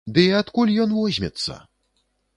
Ды і адкуль ён возьмецца?!